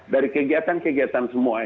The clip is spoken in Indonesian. dari kegiatan kegiatan semua